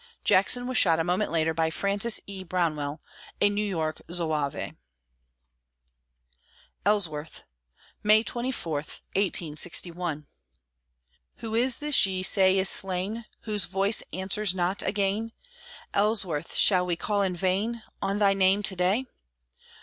Jackson was shot a moment later by Francis E. Brownell, a New York Zouave. ELLSWORTH [May 24, 1861] Who is this ye say is slain? Whose voice answers not again? Ellsworth, shall we call in vain On thy name to day?